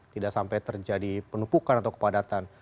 tidak sampai terjadi penumpukan atau kepadatan